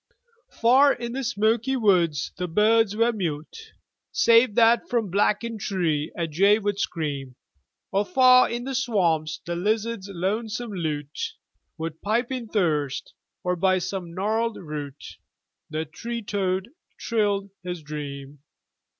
Far in the smoky woods the birds were mute, Save that from blackened tree a jay would scream, Or far in swamps the lizard's lonesome lute Would pipe in thirst, or by some gnarlèd root The tree toad trilled his dream.